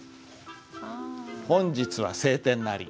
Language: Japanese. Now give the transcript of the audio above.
「本日は晴天なり」。